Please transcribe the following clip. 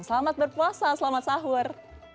selamat berpuasa selamat sahur